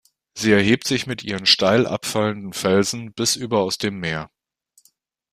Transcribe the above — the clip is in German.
Sie erhebt sich mit ihren steil abfallenden Felsen bis über aus dem Meer.